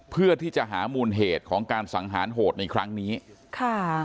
เพื่อที่จะหามูลเหตุของการสังหารโหดในครั้งนี้ค่ะ